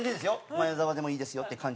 前澤でもいいですよって感じ。